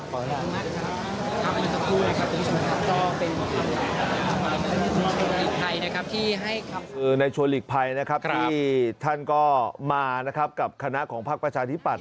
คือในชวนหลีกภัยที่ท่านมากับคณะของภาคประชาธิบัติ